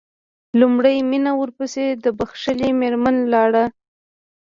لومړی مينه ورپسې دا بښلې مېرمنه لاړه.